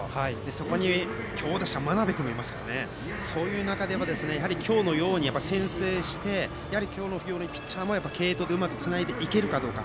そこに強打者の真鍋君もいるのでそういう中では今日のように先制して今日のようにピッチャーも継投でうまくつないでいけるかどうか。